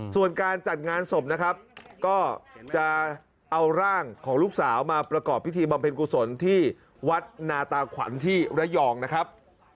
ส่วนการจัดงานศพนะครับก็จะเอาร่างของลูกสาวมาประกอบพิธีบำเพ็ญกุศลที่วัดนาตาขวัญที่ระยองนะครับ